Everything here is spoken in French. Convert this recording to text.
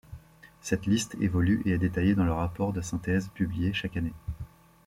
Cette liste évolue et est détaillée dans le rapport de synthèse publié chaque année.